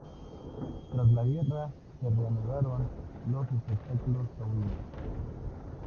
Tras la guerra se reanudaron los espectáculos taurinos.